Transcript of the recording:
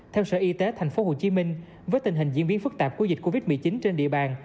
theo sở y tế thành phố hồ chí minh với tình hình diễn biến phức tạp của dịch covid một mươi chín trên địa bàn